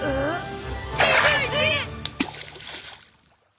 ２１！